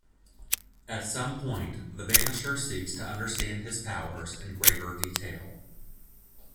At some point, the Vanisher seeks to understand his powers in greater detail.